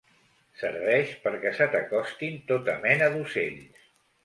Serveix perquè se t'acostin tota mena d'ocells.